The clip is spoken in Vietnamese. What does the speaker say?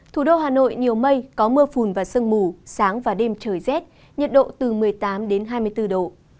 thủ đô hà nội nhiều mây có mưa phùn và sương mù sáng và đêm trời rét nhiệt độ từ một mươi tám đến hai mươi bốn độ